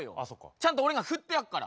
ちゃんと俺が振ってやっから。